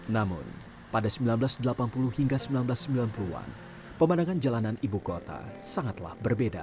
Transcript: namun pada seribu sembilan ratus delapan puluh hingga seribu sembilan ratus sembilan puluh an pemandangan jalanan ibu kota sangatlah berbeda